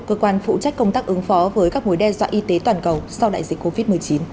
cơ quan phụ trách công tác ứng phó với các mối đe dọa y tế toàn cầu sau đại dịch covid một mươi chín